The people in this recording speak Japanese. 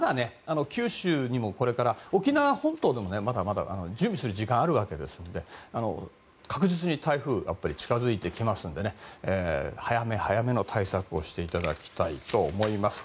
九州にも、沖縄本島にもまだまだ準備する時間があるわけですので確実に台風は近づいてきますので早め早めの対策をしていただきたいと思います。